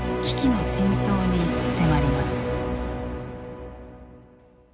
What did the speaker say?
危機の深層に迫ります。